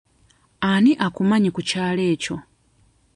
Ani akumanyi ku kyalo ekyo?